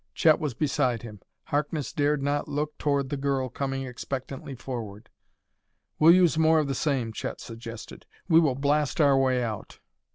Chet was beside him; Harkness dared not look toward the girl coming expectantly forward. "We'll use more of the same," Chet suggested: "we will blast our way out."